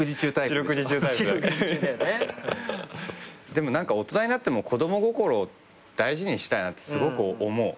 でも大人になっても子供心大事にしたいなってすごく思う。